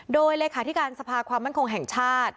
โดยเลขาธิการสภาความมั่นคงแห่งชาติ